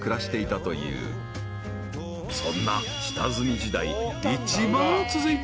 ［そんな下積み時代］